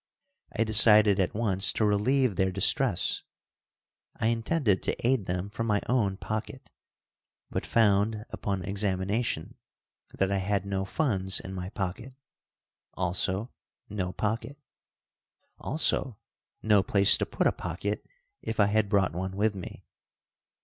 I decided at once to relieve their distress. I intended to aid them from my own pocket, but found upon examination that I had no funds in my pocket; also, no pocket; also, no place to put a pocket if I had brought one with me.